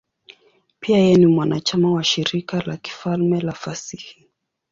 Pia yeye ni mwanachama wa Shirika la Kifalme la Fasihi.